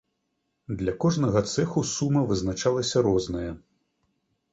Для кожнага цэху сума вызначалася розная.